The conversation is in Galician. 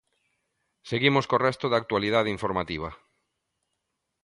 Seguimos co resto da actualidade informativa.